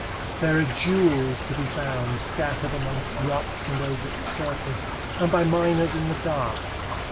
There are jewels to be found scattered among its rocks and over its surface, and by miners in the dark.